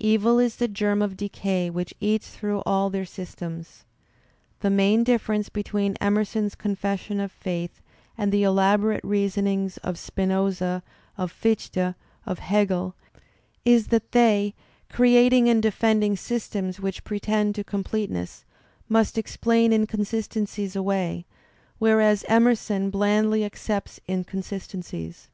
Evil is the germ of decay which eats through all their systems. The main difference between Emerson's confession of faith and the elaborate reasonings of Spinoza, of Fichte, of Hegel, is that they, creating and defending :^stems which pretend to completeness, must explain in consistencies away, whereas Emerson blandly accepts in consistencies.